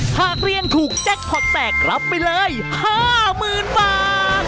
หากเรียนถูกแจ็คพอร์ตแตกรับไปเลย๕๐๐๐๐บาท